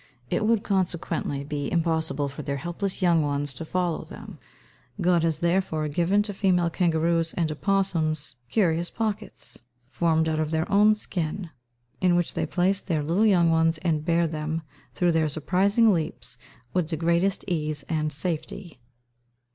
It would consequently be impossible for their helpless young ones to follow them: God has therefore given to female kangaroos and opossums curious pockets, formed out of their own skin, in which they place their little young ones, and bear them through their surprising leaps with the greatest ease and safety.